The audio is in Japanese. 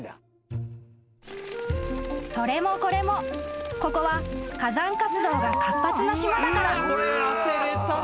［それもこれもここは火山活動が活発な島だから］